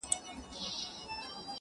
هغه ځان ته نوی ژوند لټوي,